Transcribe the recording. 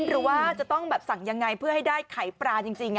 หรือว่าจะต้องแบบสั่งยังไงเพื่อให้ได้ไข่ปลาจริง